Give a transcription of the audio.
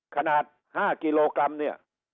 ขนาด๕กิโลกรัมเนี่ย